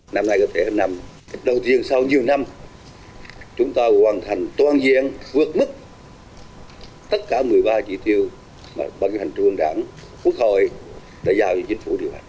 năm nay có thể là năm đầu tiên sau nhiều năm chúng ta hoàn thành toàn diện vượt mức tất cả một mươi ba chỉ tiêu mà ban hành trường đảng quốc hội đã giao cho chính phủ điều hành